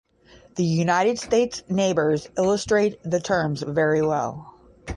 The United States' neighbors illustrate the terms very well.